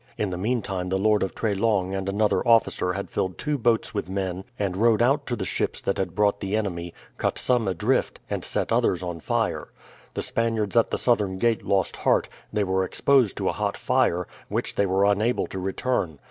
In the meantime the Lord of Treslong and another officer had filled two boats with men and rowed out to the ships that had brought the enemy, cut some adrift, and set others on fire. The Spaniards at the southern gate lost heart; they were exposed to a hot fire, which they were unable to return.